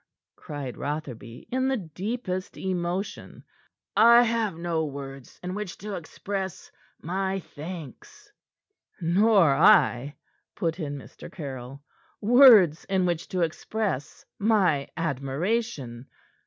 cried Rotherby in the deepest emotion, "I have no words in which to express my thanks." "Nor I," put in Mr. Caryll, "words in which to express my admiration.